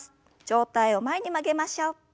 上体を前に曲げましょう。